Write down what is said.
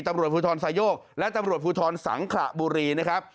ตำรวจภูทรสายโยกและตำรวจภูทรสังขระบุรีนะครับ